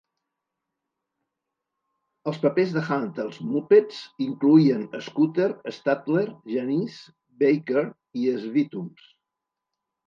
Els papers de Hunt als muppets incloïen Scooter, Statler, Janice, Beaker i Sweetums.